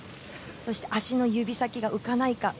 足の指先が浮かないか。